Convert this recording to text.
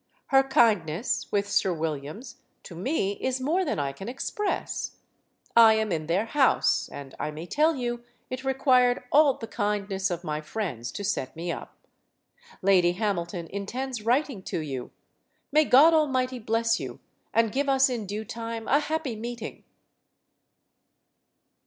Her kindness, with Sir William's, to me, is more than I can express. I am in their house, and I may tell you, it required all the kind ness of my friends to set me up. Lady Hamilton intends writ ing to you. May God Almightly bless you, and give us in due time a happy meeting!